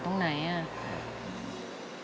ขอต้อนรับคุณพ่อตั๊กนะครับ